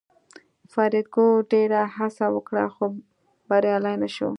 فریدګل ډېره هڅه وکړه خو بریالی نشو